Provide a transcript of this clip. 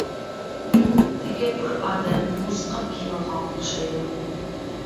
تەكەببۇر ئادەم مۇز قاپ كىيىۋالغانغا ئوخشايدۇ.